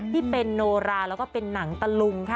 ที่เป็นโนราแล้วก็เป็นหนังตะลุงค่ะ